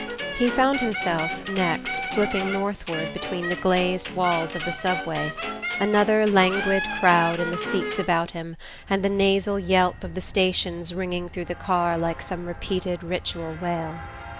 He found himself, next, slipping northward between the glazed walls of the Subway, another languid crowd in the seats about him and the nasal yelp of the stations ringing through the car like some repeated ritual wail.